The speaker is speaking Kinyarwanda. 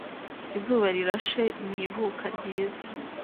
Izuba Rirashe ni ivuka ryiza;